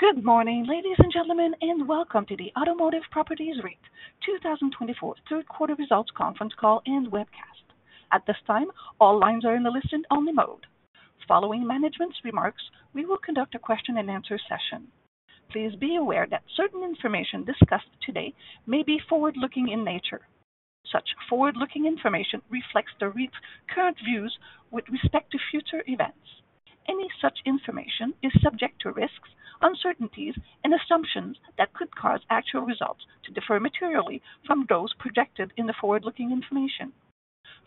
Good morning, ladies and gentlemen, and welcome to the Automotive Properties REIT 2024 third-quarter results conference call and webcast. At this time, all lines are in the listen-only mode. Following management's remarks, we will conduct a question-and-answer session. Please be aware that certain information discussed today may be forward-looking in nature. Such forward-looking information reflects the REIT's current views with respect to future events. Any such information is subject to risks, uncertainties, and assumptions that could cause actual results to differ materially from those projected in the forward-looking information.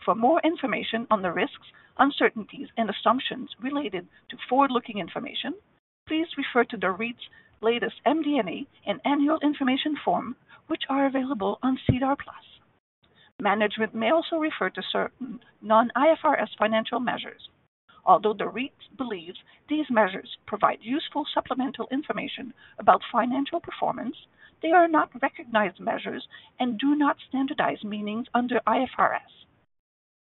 For more information on the risks, uncertainties, and assumptions related to forward-looking information, please refer to the REIT's latest MD&A and annual information form, which are available on Cedar Plus. Management may also refer to certain non-IFRS financial measures. Although the REIT believes these measures provide useful supplemental information about financial performance, they are not recognized measures and do not standardize meanings under IFRS.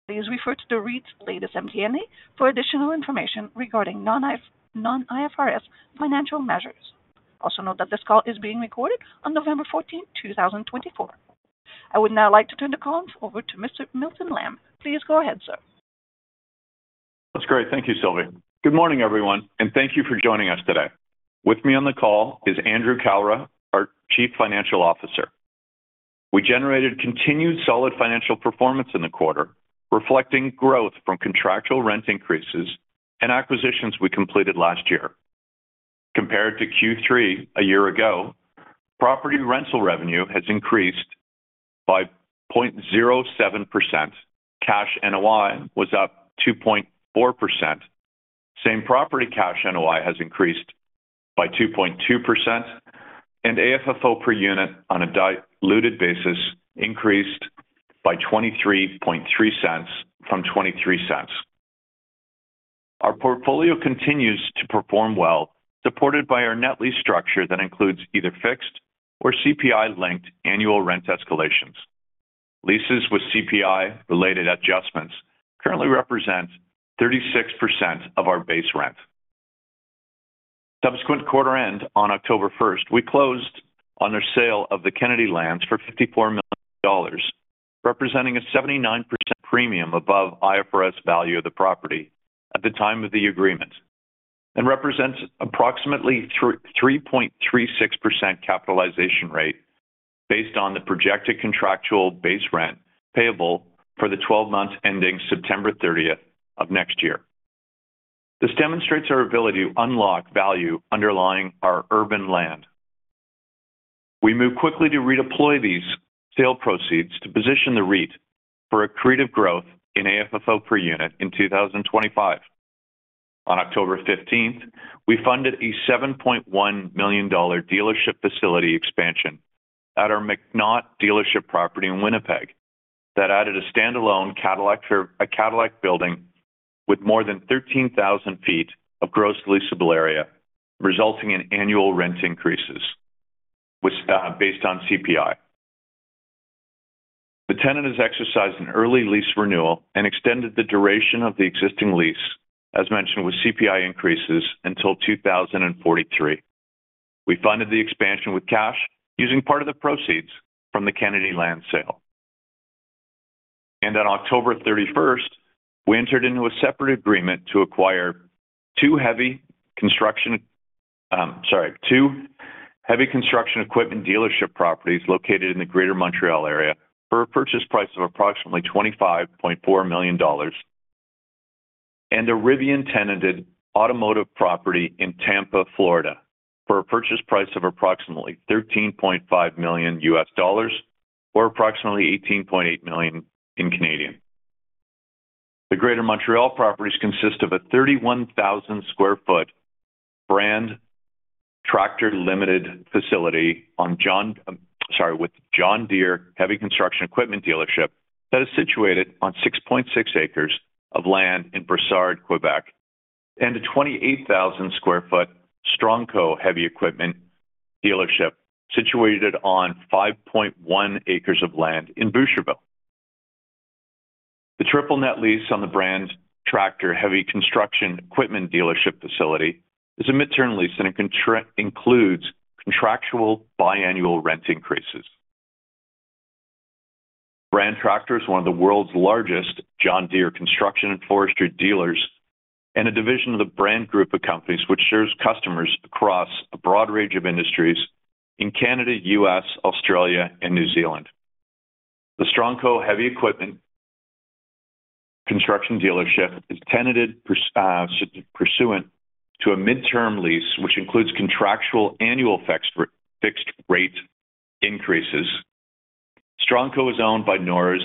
Please refer to the REIT's latest MD&A for additional information regarding non-IFRS financial measures. Also note that this call is being recorded on November 14, 2024. I would now like to turn the call over to Mr. Milton Lamb. Please go ahead, sir. That's great. Thank you, Sylvie. Good morning, everyone, and thank you for joining us today. With me on the call is Andrew Kalra, our Chief Financial Officer. We generated continued solid financial performance in the quarter, reflecting growth from contractual rent increases and acquisitions we completed last year. Compared to Q3 a year ago, property rental revenue has increased by 0.07%. Cash NOI was up 2.4%. Same property cash NOI has increased by 2.2%, and AFFO per unit on a diluted basis increased by 0.233 from 0.23. Our portfolio continues to perform well, supported by our net lease structure that includes either fixed or CPI-linked annual rent escalations. Leases with CPI-related adjustments currently represent 36% of our base rent. Subsequent quarter-end, on October 1, we closed on a sale of the Kennedy lands for 54 million dollars, representing a 79% premium above IFRS value of the property at the time of the agreement, and represents approximately 3.36% capitalization rate based on the projected contractual base rent payable for the 12 months ending September 30 of next year. This demonstrates our ability to unlock value underlying our urban land. We move quickly to redeploy these sale proceeds to position the REIT for accretive growth in AFFO per unit in 2025. On October 15, we funded a 7.1 million dollar dealership facility expansion at our McNaught dealership property in Winnipeg that added a standalone Cadillac building with more than 13,000 feet of gross leasable area, resulting in annual rent increases based on CPI. The tenant has exercised an early lease renewal and extended the duration of the existing lease, as mentioned with CPI increases, until 2043. We funded the expansion with cash using part of the proceeds from the Kennedy Lands sale. On October 31, we entered into a separate agreement to acquire two heavy construction equipment dealership properties located in the Greater Montreal area for a purchase price of approximately 25.4 million dollars, and a Rivian-tenanted automotive property in Tampa, Florida, for a purchase price of approximately $13.5 million USD or approximately 18.8 million. The Greater Montreal properties consist of a 31,000 sq ft Brandt Tractor Ltd. facility with John Deere heavy construction equipment dealership that is situated on 6.6 acres of land in Brossard, Quebec, and a 28,000 sq ft Strongco heavy equipment dealership situated on 5.1 acres of land in Boucherville. The triple-net lease on the Brandt Tractor heavy construction equipment dealership facility is a midterm lease and includes contractual biannual rent increases. Brandt Tractor is one of the world's largest John Deere construction and forestry dealers and a division of the Brandt Group of Companies which serves customers across a broad range of industries in Canada, U.S., Australia, and New Zealand. The Strongco heavy equipment construction dealership is tenanted pursuant to a midterm lease, which includes contractual annual fixed rate increases. Strongco is owned by NORS,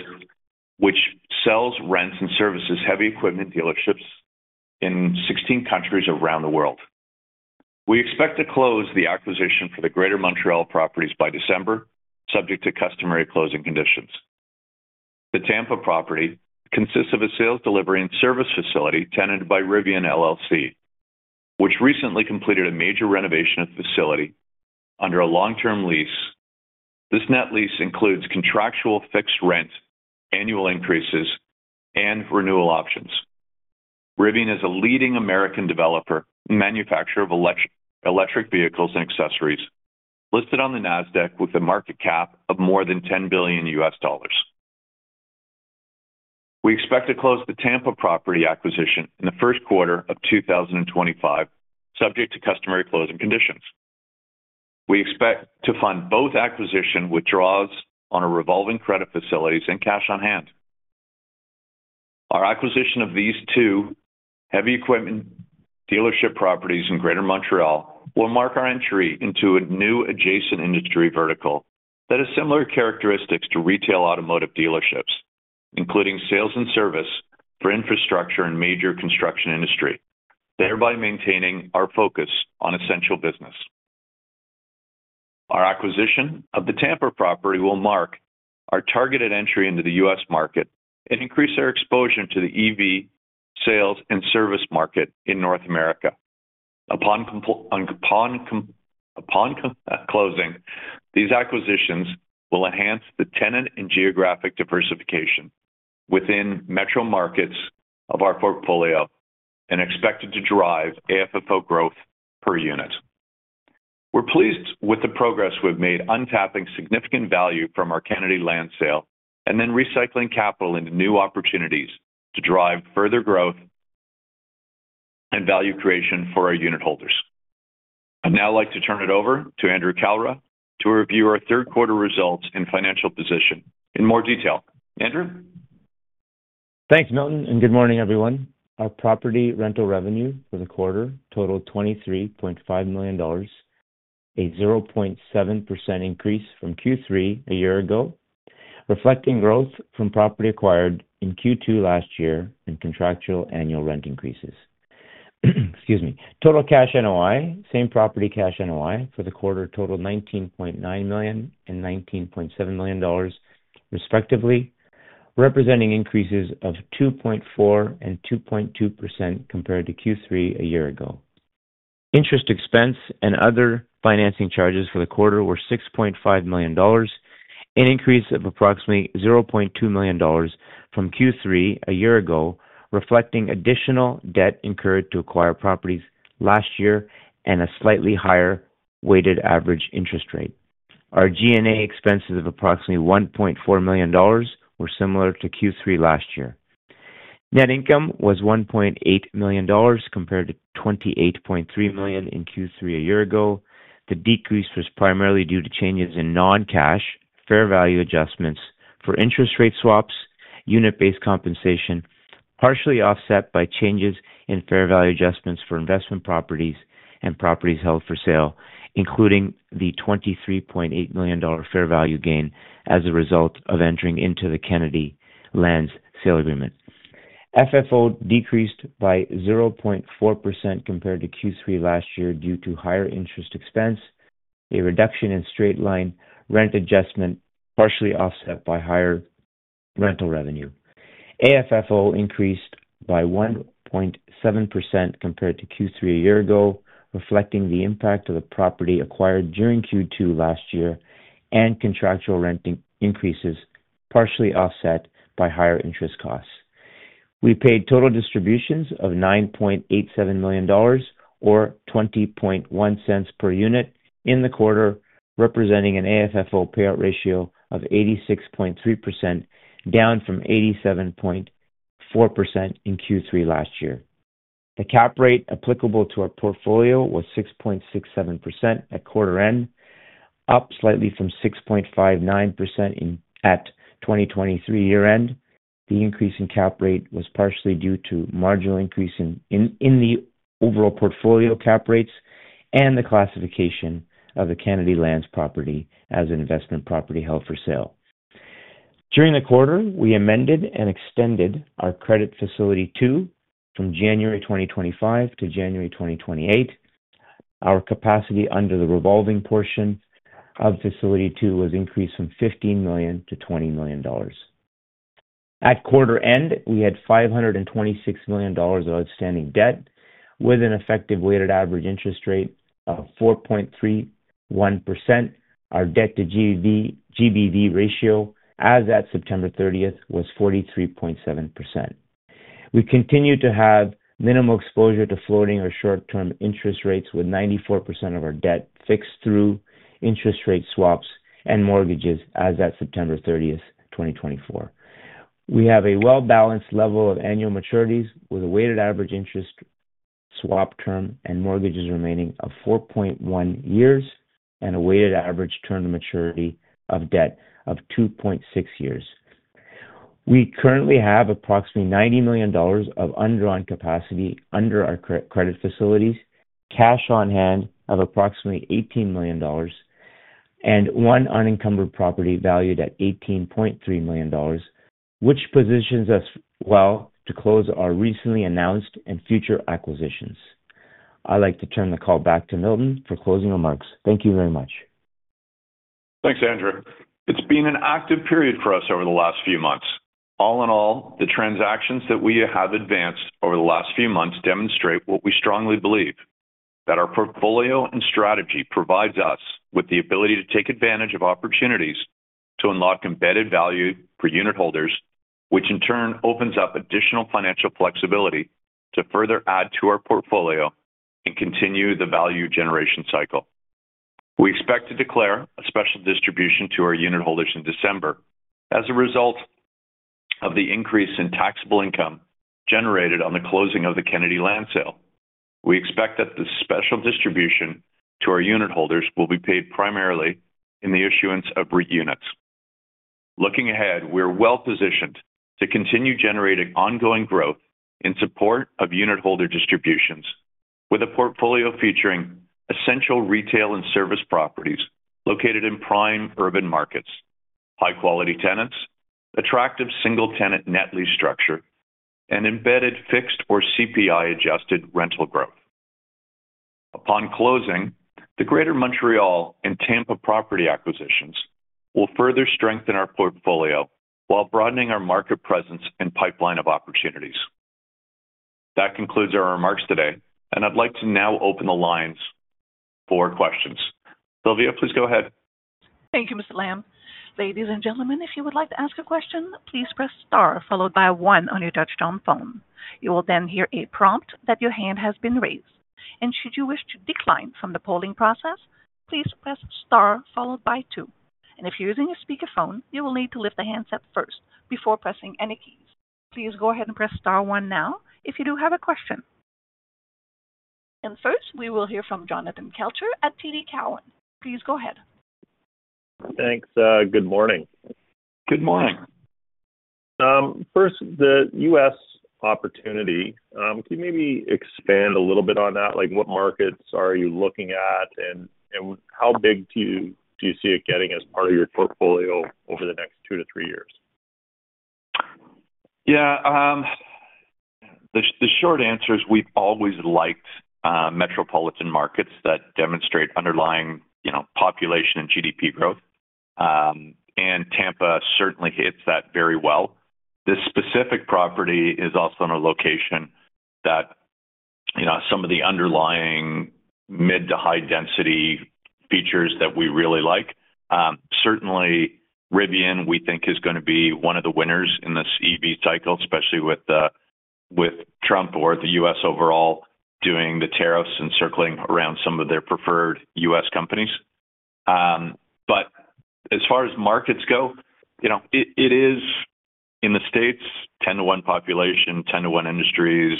which sells, rents, and services heavy equipment dealerships in 16 countries around the world. We expect to close the acquisition for the Greater Montreal properties by December, subject to customary closing conditions. The Tampa property consists of a sales delivery and service facility tenanted by Rivian LLC, which recently completed a major renovation at the facility under a long-term lease. This net lease includes contractual fixed rent, annual increases, and renewal options. Rivian is a leading American developer and manufacturer of electric vehicles and accessories, listed on the NASDAQ with a market cap of more than $10 billion US dollars. We expect to close the Tampa property acquisition in the first quarter of 2025, subject to customary closing conditions. We expect to fund both acquisition withdrawals on a revolving credit facilities and cash on hand. Our acquisition of these two heavy equipment dealership properties in Greater Montreal will mark our entry into a new adjacent industry vertical that has similar characteristics to retail automotive dealerships, including sales and service for infrastructure and major construction industry, thereby maintaining our focus on essential business. Our acquisition of the Tampa property will mark our targeted entry into the U.S. market and increase our exposure to the EV sales and service market in North America. Upon closing, these acquisitions will enhance the tenant and geographic diversification within metro markets of our portfolio and expected to drive AFFO growth per unit. We're pleased with the progress we've made unlocking significant value from our Kennedy Lands sale and then recycling capital into new opportunities to drive further growth and value creation for our unitholders. I'd now like to turn it over to Andrew Kalra to review our third-quarter results and financial position in more detail. Andrew? Thanks, Milton, and good morning, everyone. Our property rental revenue for the quarter totaled 23.5 million dollars, a 0.7% increase from Q3 a year ago, reflecting growth from property acquired in Q2 last year and contractual annual rent increases. Excuse me. Total cash NOI, same-property cash NOI for the quarter totaled 19.9 million and 19.7 million dollars, respectively, representing increases of 2.4% and 2.2% compared to Q3 a year ago. Interest expense and other financing charges for the quarter were 6.5 million dollars, an increase of approximately 0.2 million dollars from Q3 a year ago, reflecting additional debt incurred to acquire properties last year and a slightly higher weighted average interest rate. Our G&A expenses of approximately 1.4 million dollars were similar to Q3 last year. Net income was 1.8 million dollars compared to 28.3 million in Q3 a year ago. The decrease was primarily due to changes in non-cash fair value adjustments for interest rate swaps, unit-based compensation, partially offset by changes in fair value adjustments for investment properties and properties held for sale, including the 23.8 million dollar fair value gain as a result of entering into the Kennedy Lands sale agreement. FFO decreased by 0.4% compared to Q3 last year due to higher interest expense, a reduction in straight-line rent adjustment, partially offset by higher rental revenue. AFFO increased by 1.7% compared to Q3 a year ago, reflecting the impact of the property acquired during Q2 last year and contractual rent increases, partially offset by higher interest costs. We paid total distributions of 9.87 million dollars or 0.201 per unit in the quarter, representing an AFFO payout ratio of 86.3%, down from 87.4% in Q3 last year. The cap rate applicable to our portfolio was 6.67% at quarter-end, up slightly from 6.59% at 2023 year-end. The increase in cap rate was partially due to marginal increase in the overall portfolio cap rates and the classification of the Kennedy Lands property as an investment property held for sale. During the quarter, we amended and extended our credit facility 2 from January 2025 to January 2028. Our capacity under the revolving portion of facility 2 was increased from 15 million to 20 million dollars. At quarter-end, we had 526 million dollars of outstanding debt with an effective weighted average interest rate of 4.31%. Our debt-to-GBV ratio as at September 30 was 43.7%. We continue to have minimal exposure to floating or short-term interest rates with 94% of our debt fixed through interest rate swaps and mortgages as at September 30, 2024. We have a well-balanced level of annual maturities with a weighted average interest rate swap term and mortgages remaining of 4.1 years and a weighted average term to maturity of debt of 2.6 years. We currently have approximately $90 million of undrawn capacity under our credit facilities, cash on hand of approximately $18 million, and one unencumbered property valued at $18.3 million, which positions us well to close our recently announced and future acquisitions. I'd like to turn the call back to Milton for closing remarks. Thank you very much. Thanks, Andrew. It's been an active period for us over the last few months. All in all, the transactions that we have advanced over the last few months demonstrate what we strongly believe: that our portfolio and strategy provides us with the ability to take advantage of opportunities to unlock embedded value for unit holders, which in turn opens up additional financial flexibility to further add to our portfolio and continue the value generation cycle. We expect to declare a special distribution to our unit holders in December as a result of the increase in taxable income generated on the closing of the Kennedy Lands sale. We expect that the special distribution to our unit holders will be paid primarily in the issuance of units. Looking ahead, we are well-positioned to continue generating ongoing growth in support of unitholder distributions with a portfolio featuring essential retail and service properties located in prime urban markets, high-quality tenants, attractive single-tenant net lease structure, and embedded fixed or CPI-adjusted rental growth. Upon closing, the Greater Montreal and Tampa property acquisitions will further strengthen our portfolio while broadening our market presence and pipeline of opportunities. That concludes our remarks today, and I'd like to now open the lines for questions. Sylvie, please go ahead. Thank you, Mr. Lamb. Ladies and gentlemen, if you would like to ask a question, please press Star followed by One on your touch-tone phone. You will then hear a prompt that your hand has been raised. And should you wish to decline from the polling process, please press Star followed by Two. And if you're using a speakerphone, you will need to lift the handset up first before pressing any keys. Please go ahead and press Star One now if you do have a question. And first, we will hear from Jonathan Kelcher at TD Cowen. Please go ahead. Thanks. Good morning. Good morning. First, the U.S. opportunity. Can you maybe expand a little bit on that? What markets are you looking at, and how big do you see it getting as part of your portfolio over the next two to three years? Yeah. The short answer is we've always liked metropolitan markets that demonstrate underlying population and GDP growth. And Tampa certainly hits that very well. This specific property is also in a location that some of the underlying mid to high-density features that we really like. Certainly, Rivian, we think, is going to be one of the winners in this EV cycle, especially with Trump or the U.S. overall doing the tariffs and circling around some of their preferred U.S. companies. But as far as markets go, it is, in the States, 10 to 1 population, 10 to 1 industries,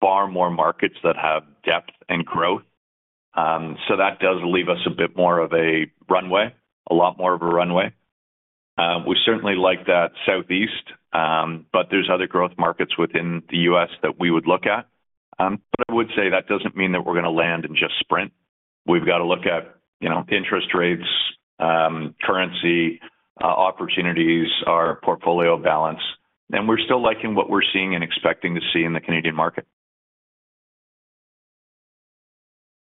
far more markets that have depth and growth. So that does leave us a bit more of a runway, a lot more of a runway. We certainly like that Southeast, but there's other growth markets within the U.S. that we would look at. But I would say that doesn't mean that we're going to land in just sprint. We've got to look at interest rates, currency opportunities, our portfolio balance. And we're still liking what we're seeing and expecting to see in the Canadian market.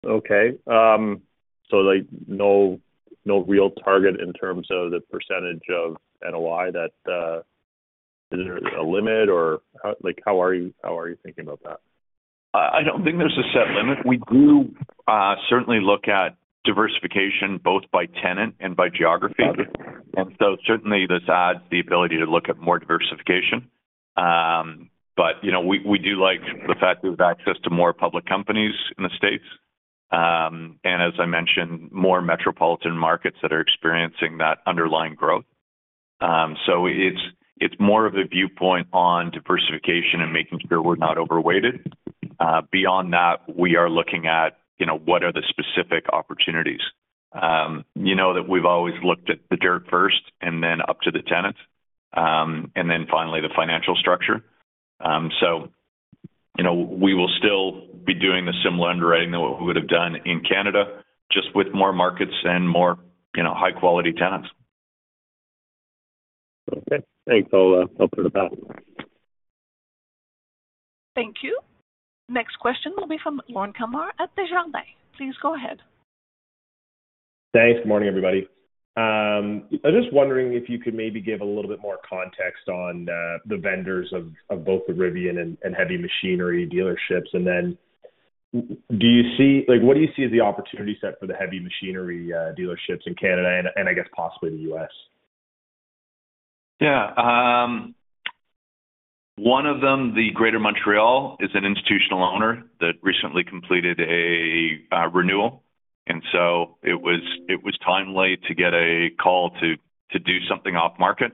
Okay, so no real target in terms of the percentage of NOI that is a limit, or how are you thinking about that? I don't think there's a set limit. We do certainly look at diversification both by tenant and by geography. And so certainly, this adds the ability to look at more diversification. But we do like the fact that we have access to more public companies in the States, and as I mentioned, more metropolitan markets that are experiencing that underlying growth. So it's more of a viewpoint on diversification and making sure we're not overweighted. Beyond that, we are looking at what are the specific opportunities. You know that we've always looked at the dirt first and then up to the tenant and then finally the financial structure. So we will still be doing the similar underwriting than what we would have done in Canada, just with more markets and more high-quality tenants. Okay. Thanks. I'll put it back. Thank you. Next question will be from Lorne Kalmar at Desjardins. Please go ahead. Thanks. Good morning, everybody. I was just wondering if you could maybe give a little bit more context on the vendors of both the Rivian and Heavy Machinery dealerships, and then what do you see as the opportunity set for the Heavy Machinery dealerships in Canada and, I guess, possibly the U.S.? Yeah. One of them, the Greater Montreal, is an institutional owner that recently completed a renewal. And so it was timely to get a call to do something off-market.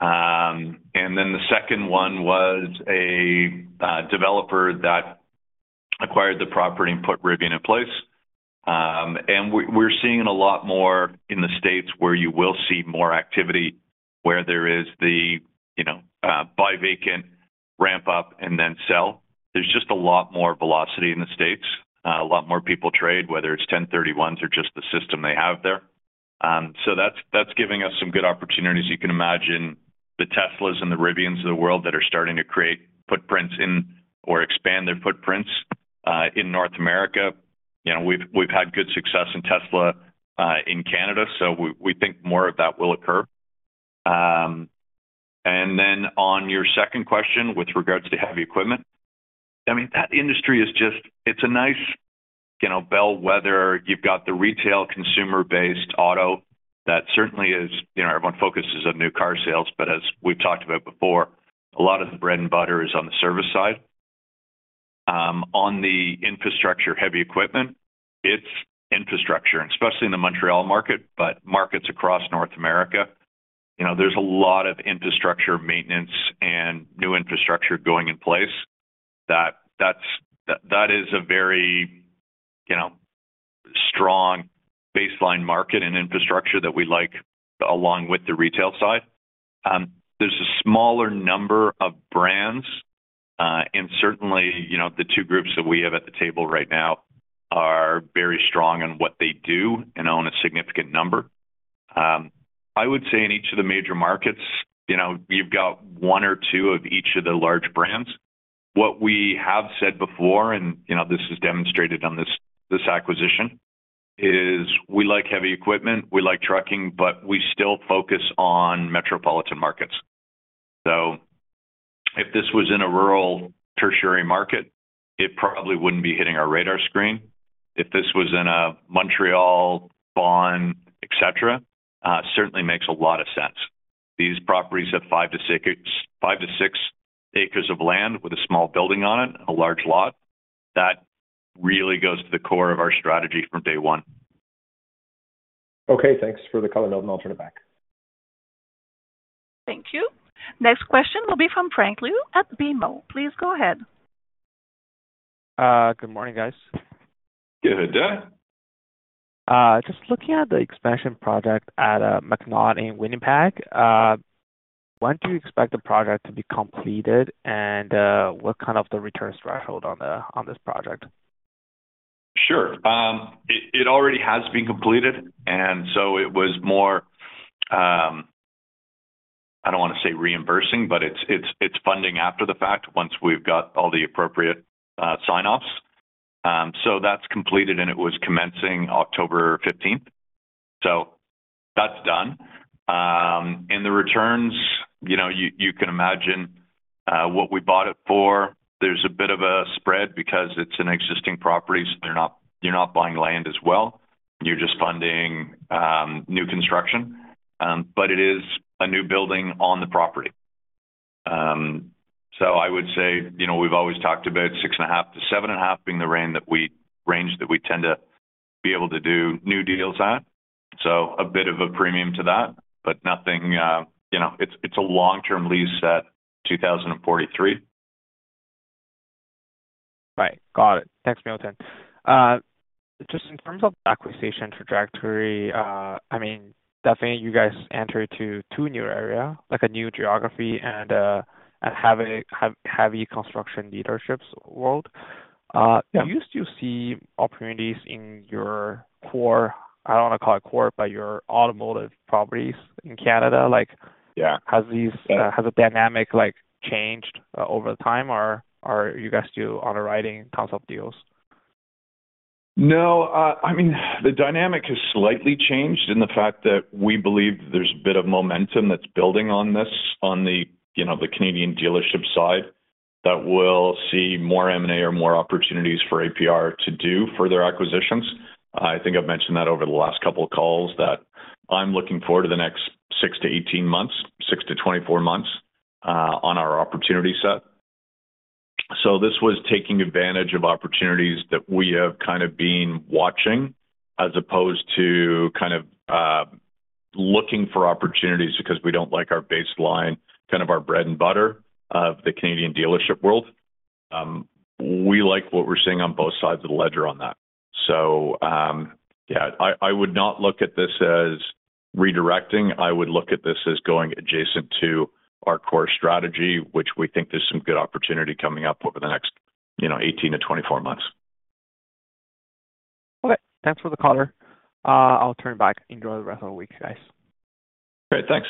And then the second one was a developer that acquired the property and put Rivian in place. And we're seeing a lot more in the States where you will see more activity, where there is the buy vacant, ramp up, and then sell. There's just a lot more velocity in the States, a lot more people trade, whether it's 1031s or just the system they have there. So that's giving us some good opportunities. You can imagine the Teslas and the Rivians of the world that are starting to create footprints or expand their footprints in North America. We've had good success in Tesla in Canada, so we think more of that will occur. Then on your second question with regards to heavy equipment, I mean, that industry is just a nice bellwether. You've got the retail consumer-based auto that certainly is everyone focuses on new car sales, but as we've talked about before, a lot of the bread and butter is on the service side. On the infrastructure heavy equipment, it's infrastructure, and especially in the Montreal market, but markets across North America, there's a lot of infrastructure maintenance and new infrastructure going in place. That is a very strong baseline market and infrastructure that we like along with the retail side. There's a smaller number of brands, and certainly, the two groups that we have at the table right now are very strong in what they do and own a significant number. I would say in each of the major markets, you've got one or two of each of the large brands. What we have said before, and this is demonstrated on this acquisition, is we like heavy equipment, we like trucking, but we still focus on metropolitan markets. If this was in a rural tertiary market, it probably wouldn't be hitting our radar screen. If this was in a Montréal, Brossard, etc., certainly makes a lot of sense. These properties have five to six acres of land with a small building on it, a large lot. That really goes to the core of our strategy from day one. Okay. Thanks for the color, Milton. I'll turn it back. Thank you. Next question will be from Frank Liu at BMO. Please go ahead. Good morning, guys. Good day. Just looking at the expansion project at McNaught and Winnipeg, when do you expect the project to be completed, and what kind of the return threshold on this project? Sure. It already has been completed, and so it was more I don't want to say reimbursing, but it's funding after the fact once we've got all the appropriate sign-offs so that's completed, and it was commencing October 15 so that's done and the returns, you can imagine what we bought it for. There's a bit of a spread because it's an existing property, so you're not buying land as well. You're just funding new construction, but it is a new building on the property so I would say we've always talked about 6.5%-7.5% being the range that we tend to be able to do new deals at so a bit of a premium to that, but nothing, it's a long-term lease at 2043. Right. Got it. Thanks, Milton. Just in terms of the acquisition trajectory, I mean, definitely you guys enter into a new area, a new geography, and have a heavy construction leader's world. Do you still see opportunities in your core, I don't want to call it core, but your automotive properties in Canada? Yeah. Has the dynamic changed over time? Are you guys still underwriting tons of deals? No. I mean, the dynamic has slightly changed in the fact that we believe there's a bit of momentum that's building on this on the Canadian dealership side that will see more M&A or more opportunities for APR to do further acquisitions. I think I've mentioned that over the last couple of calls that I'm looking forward to the next six to 18 months, six to 24 months on our opportunity set. So this was taking advantage of opportunities that we have kind of been watching as opposed to kind of looking for opportunities because we don't like our baseline, kind of our bread and butter of the Canadian dealership world. We like what we're seeing on both sides of the ledger on that. So yeah, I would not look at this as redirecting. I would look at this as going adjacent to our core strategy, which we think there's some good opportunity coming up over the next 18-24 months. Okay. Thanks for the color. I'll turn back. Enjoy the rest of the week, guys. Great. Thanks.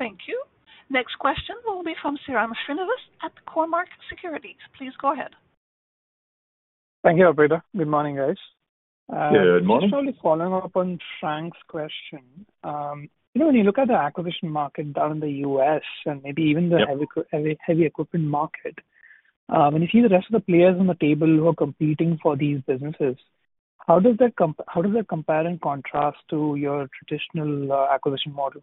Thank you. Next question will be from Sriram Subrahmanyan at Cormark Securities. Please go ahead. Thank you, Alberto. Good morning, guys. Good morning. Just following up on Frank's question. When you look at the acquisition market down in the U.S. and maybe even the heavy equipment market, when you see the rest of the players on the table who are competing for these businesses, how does that compare and contrast to your traditional acquisition model?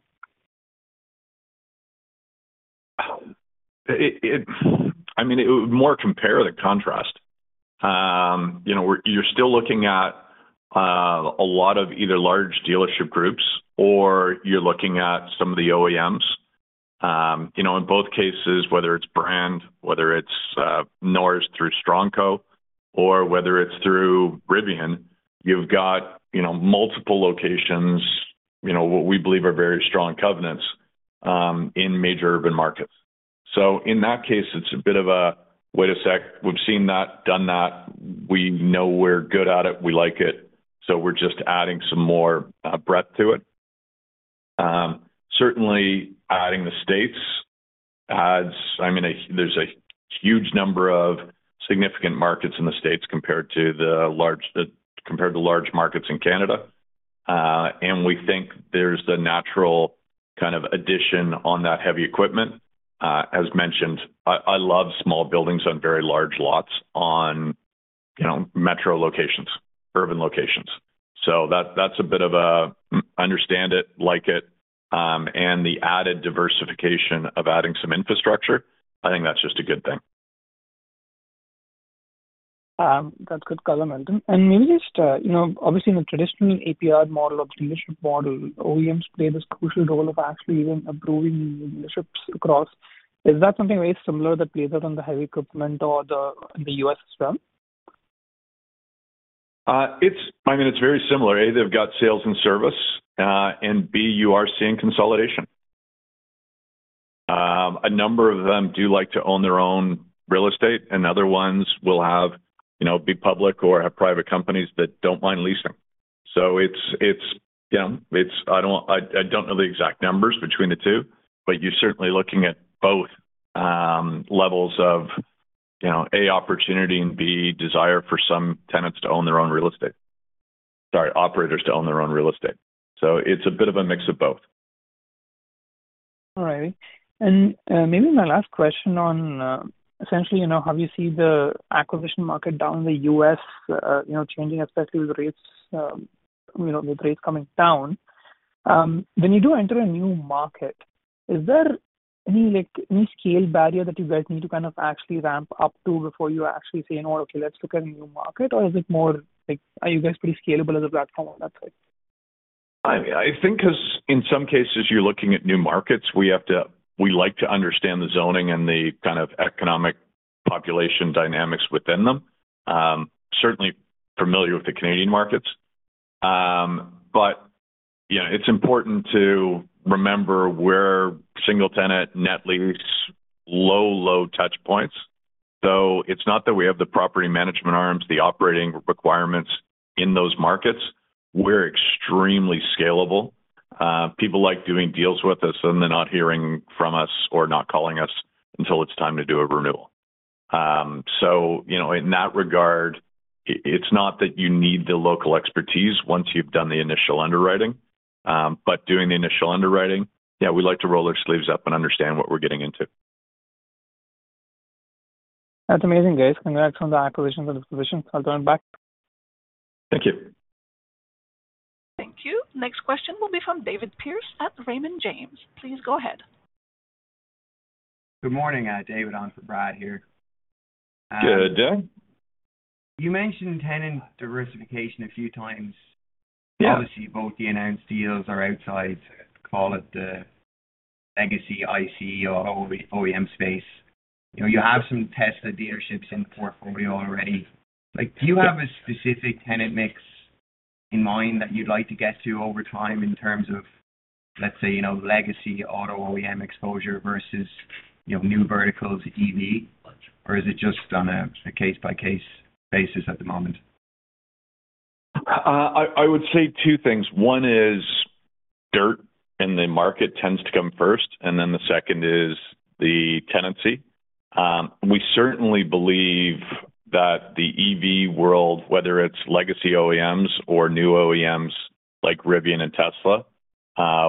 I mean, more compare than contrast. You're still looking at a lot of either large dealership groups or you're looking at some of the OEMs. In both cases, whether it's Brandt, whether it's NORS through Strongco, or whether it's through Rivian, you've got multiple locations what we believe are very strong covenants in major urban markets. So in that case, it's a bit of a, "Wait a sec. We've seen that, done that. We know we're good at it. We like it." So we're just adding some more breadth to it. Certainly, adding the States adds, I mean, there's a huge number of significant markets in the States compared to the large markets in Canada. And we think there's the natural kind of addition on that heavy equipment. As mentioned, I love small buildings on very large lots on metro locations, urban locations. So that's a bit of a. I understand it, like it. And the added diversification of adding some infrastructure, I think that's just a good thing. That's good color, Milton. Maybe just, obviously, in the traditional APR model of the dealership model, OEMs play this crucial role of actually even approving dealerships across. Is that something very similar that plays out on the heavy equipment or the U.S. as well? I mean, it's very similar. A, they've got sales and service. And B, you are seeing consolidation. A number of them do like to own their own real estate. And other ones will be public or have private companies that don't mind leasing. So I don't know the exact numbers between the two, but you're certainly looking at both levels of A, opportunity, and B, desire for some tenants to own their own real estate - sorry, operators to own their own real estate. So it's a bit of a mix of both. All right. And maybe my last question on essentially how you see the acquisition market down in the U.S. changing, especially with rates coming down. When you do enter a new market, is there any scale barrier that you guys need to kind of actually ramp up to before you actually say, "Okay, let's look at a new market," or is it more are you guys pretty scalable as a platform on that side? I think in some cases, you're looking at new markets. We like to understand the zoning and the kind of economic population dynamics within them. Certainly familiar with the Canadian markets. But it's important to remember we're single-tenant, net lease, low, low touch points. So it's not that we have the property management arms, the operating requirements in those markets. We're extremely scalable. People like doing deals with us, and they're not hearing from us or not calling us until it's time to do a renewal. So in that regard, it's not that you need the local expertise once you've done the initial underwriting. But doing the initial underwriting, yeah, we like to roll our sleeves up and understand what we're getting into. That's amazing, guys. Congrats on the acquisition and the position. I'll turn it back. Thank you. Thank you. Next question will be from David Pierce at Raymond James. Please go ahead. Good morning, David. In for Brad here. Good day. You mentioned tenant diversification a few times. Obviously, both the announced deals are outside, call it the legacy ICE or OEM space. You have some Tesla dealerships in portfolio already. Do you have a specific tenant mix in mind that you'd like to get to over time in terms of, let's say, legacy auto OEM exposure versus new verticals, EV? Or is it just on a case-by-case basis at the moment? I would say two things. One is dirt, and the market tends to come first, and then the second is the tenancy. We certainly believe that the EV world, whether it's legacy OEMs or new OEMs like Rivian and Tesla,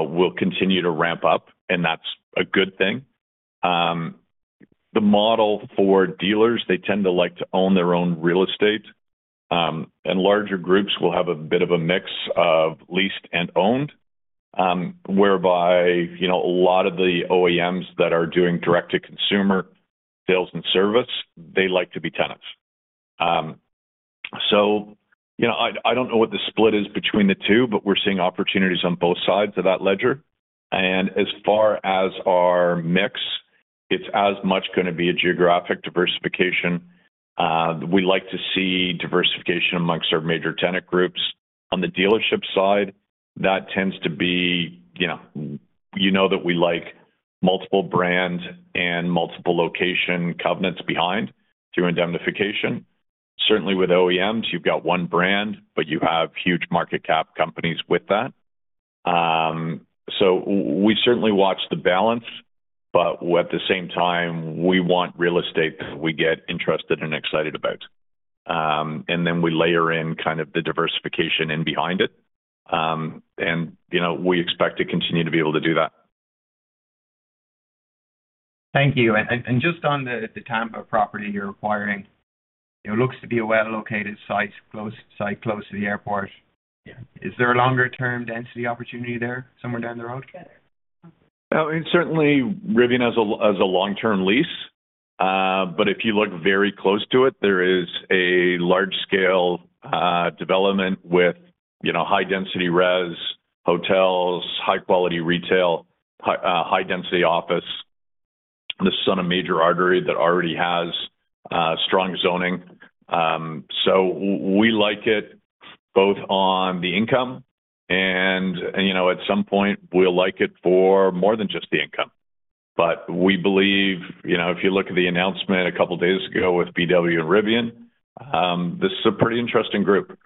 will continue to ramp up, and that's a good thing. The model for dealers, they tend to like to own their own real estate, and larger groups will have a bit of a mix of leased and owned, whereby a lot of the OEMs that are doing direct-to-consumer sales and service, they like to be tenants, so I don't know what the split is between the two, but we're seeing opportunities on both sides of that ledger, and as far as our mix, it's as much going to be a geographic diversification. We like to see diversification amongst our major tenant groups. On the dealership side, that tends to be, you know, that we like multiple brands and multiple location covenants behind through indemnification. Certainly, with OEMs, you've got one brand, but you have huge market cap companies with that. So we certainly watch the balance, but at the same time, we want real estate that we get interested and excited about. And then we layer in kind of the diversification in behind it. And we expect to continue to be able to do that. Thank you. And just on the type of property you're acquiring, it looks to be a well-located site close to the airport. Is there a longer-term density opportunity there somewhere down the road? Certainly, Rivian has a long-term lease. But if you look very close to it, there is a large-scale development with high-density residential hotels, high-quality retail, high-density office. This is on a major artery that already has strong zoning. So we like it both on the income, and at some point, we'll like it for more than just the income. But we believe if you look at the announcement a couple of days ago with VW and Rivian, this is a pretty interesting group.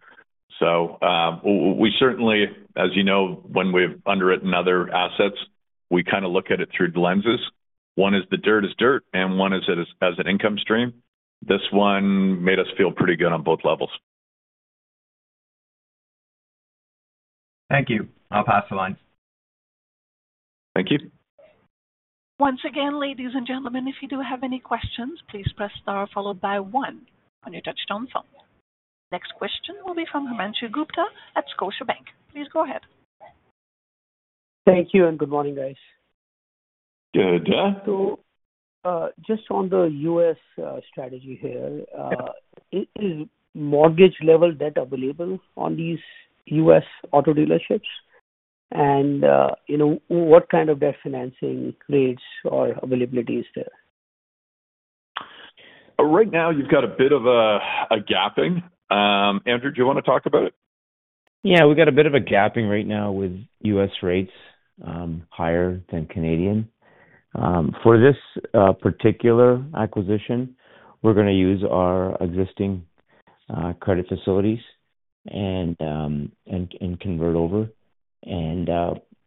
So we certainly, as you know, when we've underwritten other assets, we kind of look at it through the lenses. One is the dirt is dirt, and one is as an income stream. This one made us feel pretty good on both levels. Thank you. I'll pass the lines. Thank you. Once again, ladies and gentlemen, if you do have any questions, please press star followed by one on your touch-tone phone. Next question will be from Himanshu Gupta at Scotiabank. Please go ahead. Thank you, and good morning, guys. Good day. So just on the U.S. strategy here, is mortgage-level debt available on these U.S. auto dealerships? And what kind of debt financing rates or availability is there? Right now, you've got a bit of a gapping. Andrew, do you want to talk about it? Yeah. We've got a bit of a gap right now with U.S. rates higher than Canadian. For this particular acquisition, we're going to use our existing credit facilities and convert over and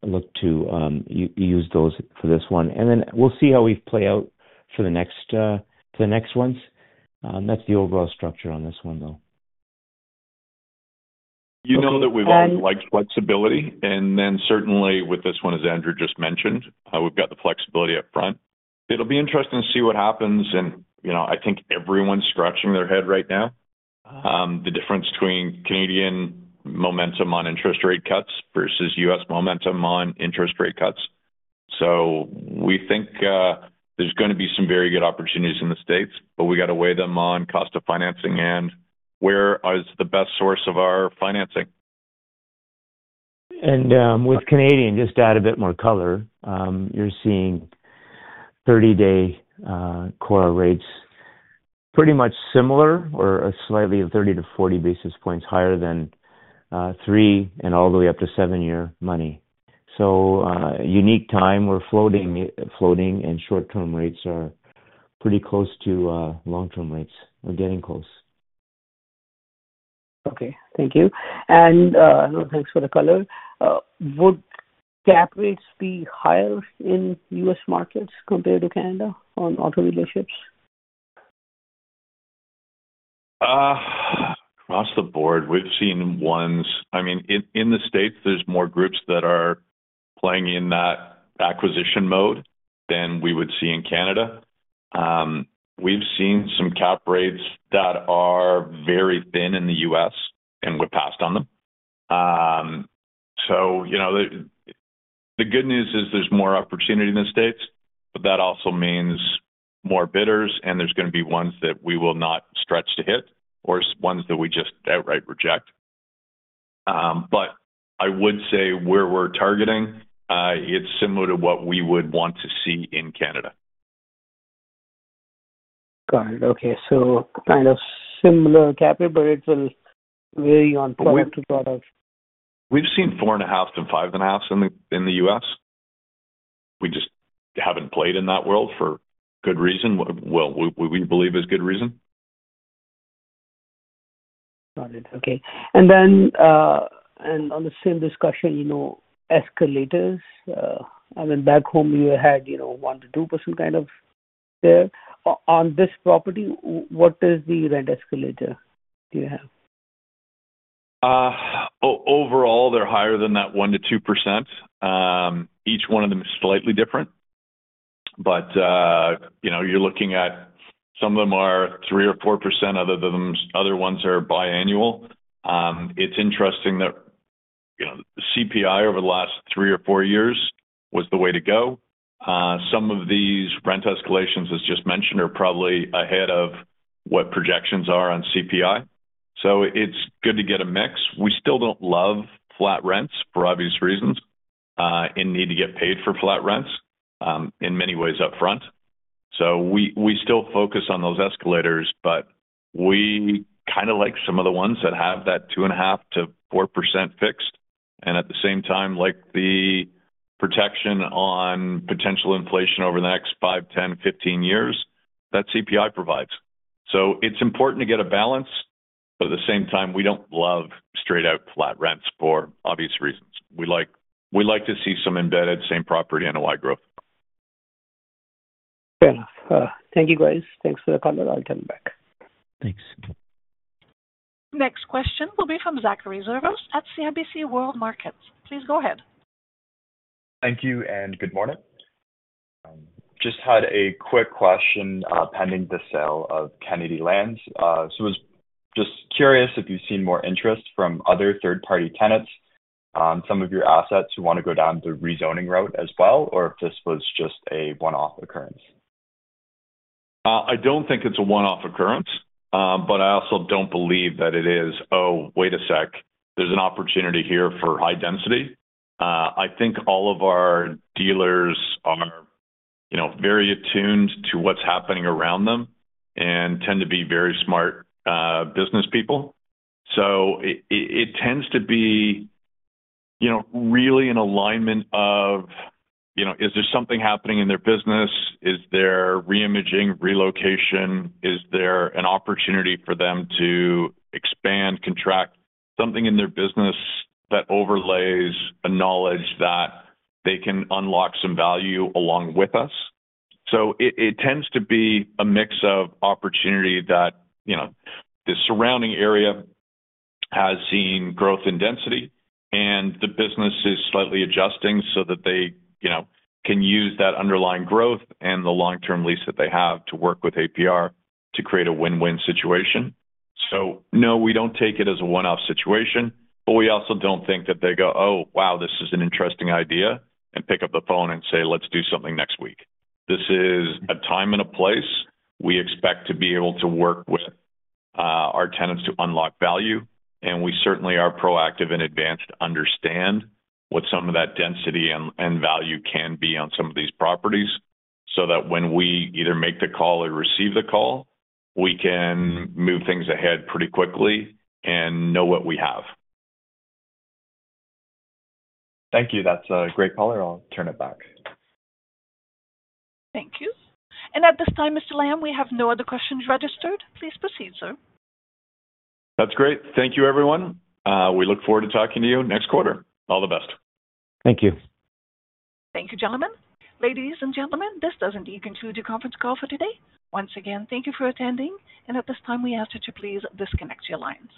look to use those for this one. And then we'll see how we play out for the next ones. That's the overall structure on this one, though. You know that we've all liked flexibility, and then certainly, with this one, as Andrew just mentioned, we've got the flexibility up front. It'll be interesting to see what happens, and I think everyone's scratching their head right now. The difference between Canadian momentum on interest rate cuts versus U.S. momentum on interest rate cuts, so we think there's going to be some very good opportunities in the States, but we got to weigh them on cost of financing and where is the best source of our financing. And with Canadian, just add a bit more color. You're seeing 30-day core rates pretty much similar or slightly 30-40 basis points higher than 3- and all the way up to 7-year money. So unique time. We're floating, and short-term rates are pretty close to long-term rates. We're getting close. Okay. Thank you, and thanks for the color. Would cap rates be higher in U.S. markets compared to Canada on auto dealerships? Across the board, we've seen ones. I mean, in the States, there's more groups that are playing in that acquisition mode than we would see in Canada. We've seen some cap rates that are very thin in the US, and we're passed on them. So the good news is there's more opportunity in the States, but that also means more bidders, and there's going to be ones that we will not stretch to hit or ones that we just outright reject. But I would say where we're targeting, it's similar to what we would want to see in Canada. Got it. Okay. So kind of similar cap rate variable will vary from one to another. We've seen 4.5-5.5 in the U.S. We just haven't played in that world for good reason, what we believe is good reason. Got it. Okay. And then on the same discussion, escalators. I mean, back home, you had 1%-2% kind of there. On this property, what is the rent escalator do you have? Overall, they're higher than that 1%-2%. Each one of them is slightly different, but you're looking at some of them are 3% or 4%. Other ones are biannual. It's interesting that CPI over the last three or four years was the way to go. Some of these rent escalations, as just mentioned, are probably ahead of what projections are on CPI, so it's good to get a mix. We still don't love flat rents for obvious reasons and need to get paid for flat rents in many ways upfront, so we still focus on those escalators, but we kind of like some of the ones that have that 2.5%-4% fixed, and at the same time, like the protection on potential inflation over the next 5, 10, 15 years that CPI provides, so it's important to get a balance. But at the same time, we don't love straight-out flat rents for obvious reasons. We like to see some embedded same-property NOI growth. Fair enough. Thank you, guys. Thanks for the color. I'll turn it back. Thanks. Next question will be from Zachary Zervos at CIBC World Markets. Please go ahead. Thank you, and good morning. Just had a quick question pending the sale of Kennedy Lands. So I was just curious if you've seen more interest from other third-party tenants, some of your assets who want to go down the rezoning route as well, or if this was just a one-off occurrence? I don't think it's a one-off occurrence, but I also don't believe that it is, "Oh, wait a sec. There's an opportunity here for high density." I think all of our dealers are very attuned to what's happening around them and tend to be very smart business people. So it tends to be really in alignment of, "Is there something happening in their business? Is there reimaging, relocation? Is there an opportunity for them to expand, contract something in their business that overlays a knowledge that they can unlock some value along with us?" So it tends to be a mix of opportunity that the surrounding area has seen growth and density, and the business is slightly adjusting so that they can use that underlying growth and the long-term lease that they have to work with APR to create a win-win situation. So no, we don't take it as a one-off situation, but we also don't think that they go, "Oh, wow, this is an interesting idea," and pick up the phone and say, "Let's do something next week." This is a time and a place we expect to be able to work with our tenants to unlock value. And we certainly are proactive and advanced to understand what some of that density and value can be on some of these properties so that when we either make the call or receive the call, we can move things ahead pretty quickly and know what we have. Thank you. That's a great color. I'll turn it back. Thank you. And at this time, Mr. Lamb, we have no other questions registered. Please proceed, sir. That's great. Thank you, everyone. We look forward to talking to you next quarter. All the best. Thank you. Thank you, gentlemen. Ladies and gentlemen, this does indeed conclude your conference call for today. Once again, thank you for attending. And at this time, we ask that you please disconnect your lines.